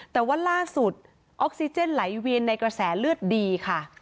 แต่ว่าล่าสุดออกซิเจนไหลเวียนในกระแสเลือดดีค่ะ